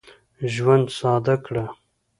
ژوند ساده کړه.